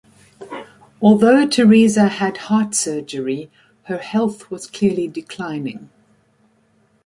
Although Teresa had heart surgery, her health was clearly declining.